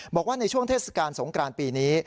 บอกว่าในช่วงเทศกาลสงกรานปีนี้